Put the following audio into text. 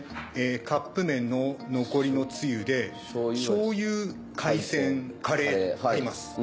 カップ麺の残りの汁でしょうゆ海鮮カレーあります。